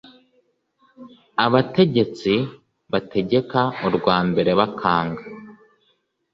abategetsi bategeka urwa mbere bakanga